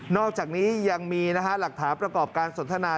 อกจากนี้ยังมีหลักฐานประกอบการสนทนา